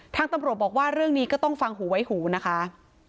ทางตำรวจบอกว่าเรื่องนี้ก็ต้องฟังหูไว้หูนะคะ